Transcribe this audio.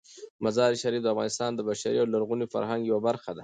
مزارشریف د افغانستان د بشري او لرغوني فرهنګ یوه برخه ده.